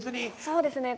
そうですね。